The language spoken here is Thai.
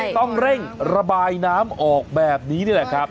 ต้องเร่งระบายน้ำออกแบบนี้นี่แหละครับ